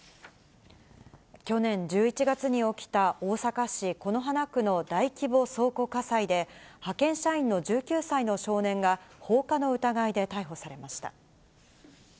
去年１１月に起きた、大阪市此花区の大規模倉庫火災で、派遣社員の１９歳の少年が放火の疑いで逮捕されました。